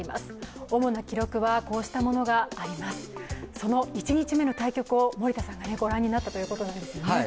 その１日目の対局を森田さん、ご覧になったということですね。